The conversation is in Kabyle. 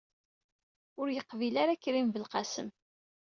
Ur yeqbil ara Krim Belqasem!